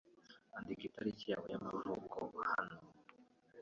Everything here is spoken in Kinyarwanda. Andika itariki yawe y'amavuko hano.